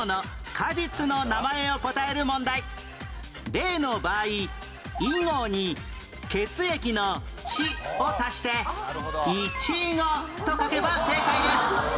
例の場合「いご」に血液の「ち」を足して「いちご」と書けば正解です